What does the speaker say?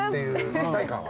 期待感は。